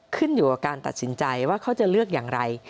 ขึ้นอยู่กับการตัดสินใจว่าเขาจะเลือกอย่างไร